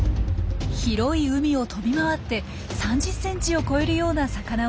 広い海を飛び回って３０センチを超えるような魚を探します。